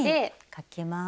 かけます。